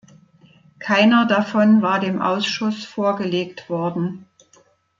Keiner davon war dem Ausschuss vorgelegt worden.